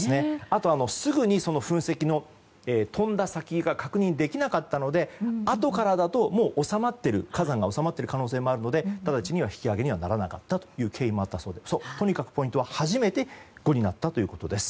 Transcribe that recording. あとすぐに噴石の飛んだ先が確認できなかったのであとからだと火山がもう収まっている可能性もあるので直ちには引き上げにはならなかった経緯があったそうでとにかくポイントは初めて５になったということです。